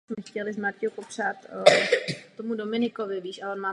Rok na to je jmenován advokátem a zakrátko notářem.